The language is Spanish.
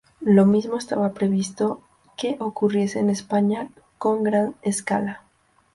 Lo mismo estaba previsto que ocurriese en España con Gran Scala.